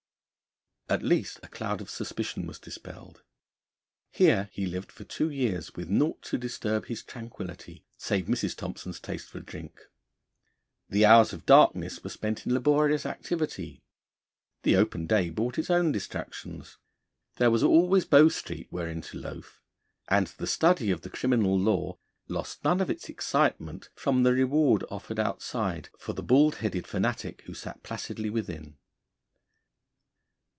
At least a cloud of suspicion was dispelled. Here he lived for two years, with naught to disturb his tranquillity save Mrs. Thompson's taste for drink. The hours of darkness were spent in laborious activity, the open day brought its own distractions. There was always Bow Street wherein to loaf, and the study of the criminal law lost none of its excitement from the reward offered outside for the bald headed fanatic who sat placidly within.